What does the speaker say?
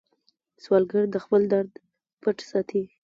سوالګر د خپل درد پټ ساتي